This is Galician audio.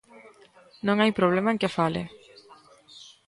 Non hai problema en que fale.